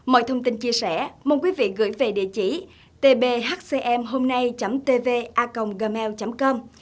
mọi thông tin chia sẻ mời quý vị gửi về địa chỉ tbhcmhômnay tvacomgmail com